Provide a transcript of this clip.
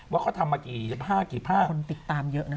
ว่าเขาทำมากี่ผ้ากี่ผ้าคนติดตามเยอะนะ